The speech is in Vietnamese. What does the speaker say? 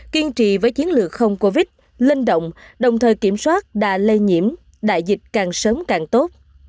kiên trì với chiến lược không covid linh động đồng thời kiểm soát đà lây nhiễm đại dịch càng sớm càng tốt